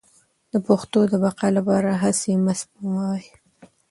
د پښتو د بقا لپاره هڅې مه سپموئ.